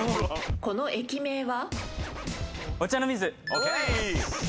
この駅名は？